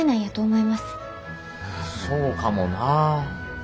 そうかもなぁ。